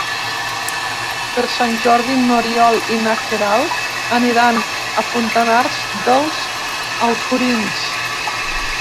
Per Sant Jordi n'Oriol i na Queralt aniran a Fontanars dels Alforins.